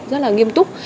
rất là nghiêm túc